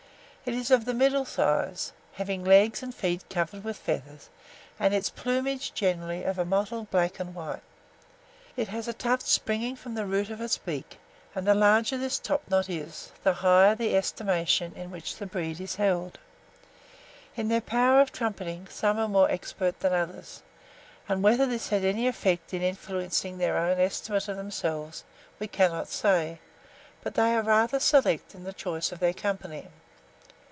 It is of the middle size, having its legs and feet covered with feathers, and its plumage generally of a mottled black and white. It has a tuft springing from the root of its beak, and the larger this topknot is, the higher the estimation in which the breed is held. In their powers of trumpeting some are more expert than others; and whether this has any effect in influencing their own estimate of themselves, we cannot say; but they are rather select in the choice of their company.